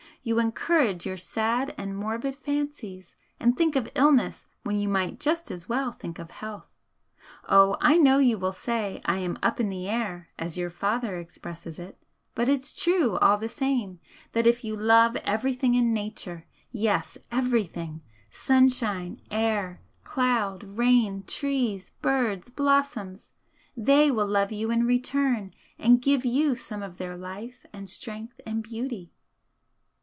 You encourage your sad and morbid fancies, and think of illness when you might just as well think of health. Oh, I know you will say I am 'up in the air' as your father expresses it, but it's true all the same that if you love everything in Nature yes, everything! sunshine, air, cloud, rain, trees, birds, blossom, they will love you in return and give you some of their life and strength and beauty."